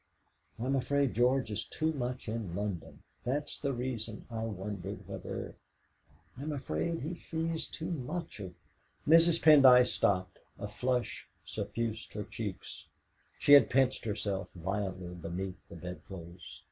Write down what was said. "I'm afraid George is too much in London. That's the reason I wondered whether I'm afraid he sees too much of " Mrs. Pendyce stopped; a flush suffused her cheeks; she had pinched herself violently beneath the bedclothes.